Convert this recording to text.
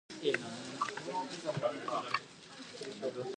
However, he is currently a student at the University of California, Irvine.